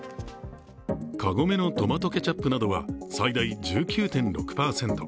カゴメのトマトケチャップなどは最大１９．６％